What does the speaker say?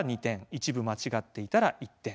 一部間違っていたら１点。